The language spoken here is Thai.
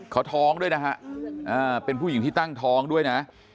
เขาท้องด้วยนะฮะเป็นผู้หญิงที่ตั้งท้องด้วยนะ